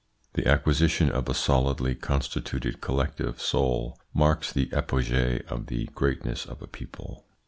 The acquisition of a solidly constituted collective soul marks the apogee of the greatness of a people.